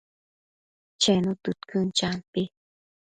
Chenu tëdquën, champi